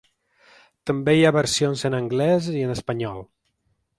També hi ha versions en anglès i en espanyol.